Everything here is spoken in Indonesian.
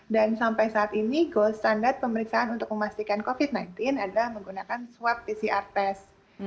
dan sampai saat ini goal standar pemeriksaan untuk memastikan covid sembilan belas adalah menggunakan swab pcr test